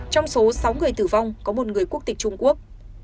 trong số sáu người tử vong có một người quốc tịch trung quốc